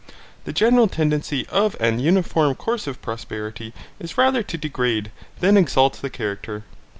The general tendency of an uniform course of prosperity is rather to degrade than exalt the character.